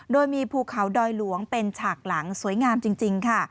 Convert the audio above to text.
โดยมีภูเขาดอยหลวงเป็นฉากหลังสวยงามจริงค่ะ